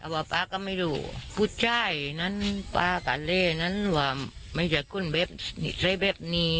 แต่ว่าปาก็ไม่รู้ผู้ชายนั้นปากาเลนั้นว่าไม่ใช่คุณแบบนี้ใช่แบบนี้